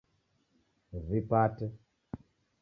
Wipate